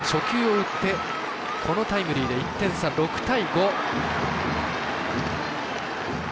５番の植木、初球を打ってこのタイムリーで１点差、６対５。